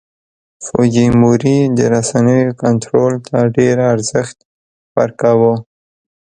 فوجیموري د رسنیو کنټرول ته ډېر ارزښت ورکاوه.